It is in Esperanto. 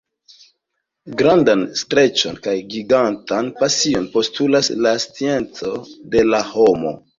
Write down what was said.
Grandan streĉon kaj gigantan pasion postulas la scienco de la homo.